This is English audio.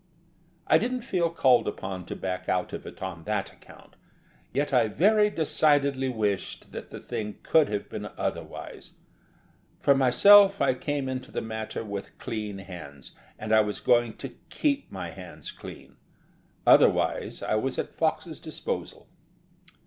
I didn't feel called upon to back out of it on that account, yet I very decidedly wished that the thing could have been otherwise. For myself, I came into the matter with clean hands and I was going to keep my hands clean; otherwise, I was at Fox's disposal.